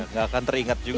nggak akan teringat juga